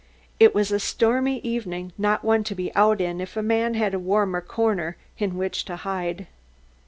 It was a stormy evening, not one to be out in if a man had a warm corner in which to hide.